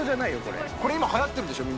それこれ今はやってるでしょ？